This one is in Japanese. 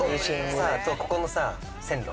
あとここの線路。